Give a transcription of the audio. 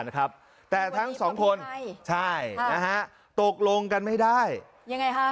วันนี้ทราบยาย๊ะไหมใช่นะฮะตกลงกันไม่ได้ยังไงค่ะ